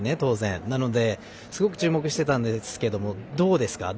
なのですごく注目してたんですがどうですか？